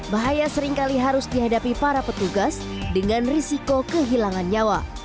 bahaya seringkali harus dihadapi para petugas dengan risiko kehilangan nyawa